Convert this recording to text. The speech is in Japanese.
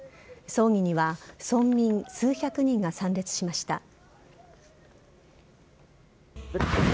葬儀には村民数百人が参列しました。